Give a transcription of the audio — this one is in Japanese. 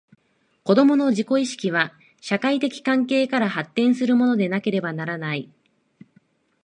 子供の自己意識は、社会的関係から発展するものでなければならない。